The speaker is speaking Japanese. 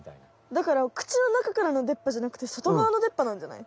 だから口の中からのでっ歯じゃなくてそとがわのでっ歯なんじゃない？